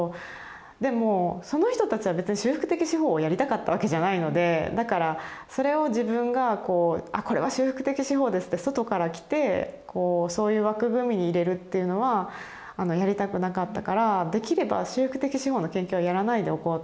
でもその人たちは別に修復的司法をやりたかったわけじゃないのでだからそれを自分があこれは修復的司法ですって外から来てそういう枠組みに入れるっていうのはやりたくなかったからできれば修復的司法の研究はやらないでおこうと。